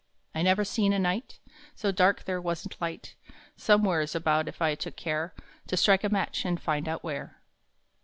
I never seen a night So dark there wasn t light Somewheres about if I took care To strike a match and find out where.